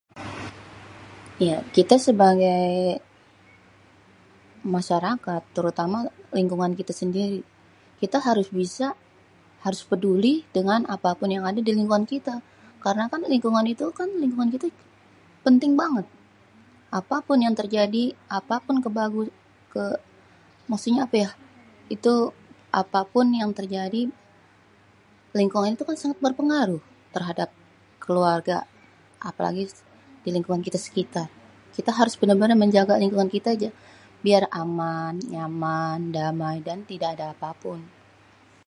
Ya kité sebagai masarakat terutama lingkungan kité, kité sendiri kita harus bisa harus peduli dengan apapun yang ade di lingkungan kité karna kan lingkungan itu kan penting banget, apapun yang terjadi apapun kebagu eee maksudnye ape ya apapun yang terjadi lingkungan kan itu sangat berpengaruh terhadap keluarga apalagi lingkungan kita sekitar. Kita harus bener-bener menjaga lingkungan kita biar aman nyaman damai dan tidak ada apapun.